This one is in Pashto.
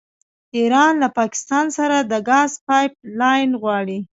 ایران له پاکستان سره د ګاز پایپ لاین غواړي.